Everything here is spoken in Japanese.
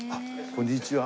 こんにちは。